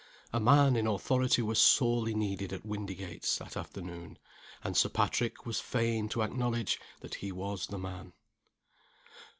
A man in authority was sorely needed at Windygates that afternoon and Sir Patrick was fain to acknowledge that he was the man.